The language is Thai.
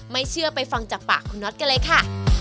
ไม่เชื่อไปฟังจากปากคุณน็อตกันเลยค่ะ